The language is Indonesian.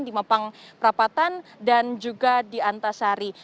di mepang prapatan dan juga di antasari